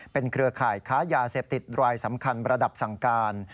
เครือข่ายค้ายาเสพติดรายสำคัญระดับสั่งการ